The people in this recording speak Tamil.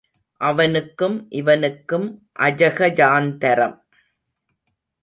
அவனுக்கும் இவனுக்கும் அஜகஜாந்தரம்.